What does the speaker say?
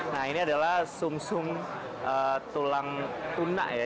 nah ini adalah sung sung tulang tuna ya